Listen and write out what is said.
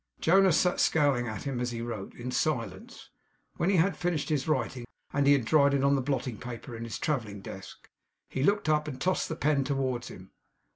Jonas sat scowling at him as he wrote, in silence. When he had finished his writing, and had dried it on the blotting paper in his travelling desk; he looked up, and tossed the pen towards him.